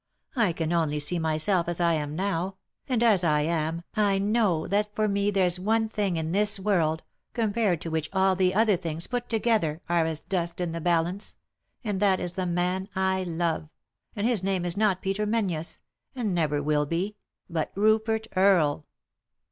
I can only see my self as I am now ; and, as I am, I know that for me there's one thing in this world, compared to which all the other things, put together, are as dust in the balance — and that is the man I love ; and his name is not Peter Menzies ; and never will be; but Rupert Earle."